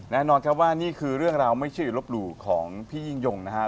แน่นอนครับว่านี่คือเรื่องราวไม่เชื่อลบหลู่ของพี่ยิ่งยงนะครับ